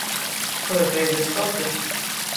Foi rei de Escocia.